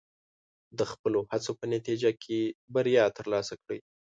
د خپلو هڅو په نتیجه کې بریا ترلاسه کړئ.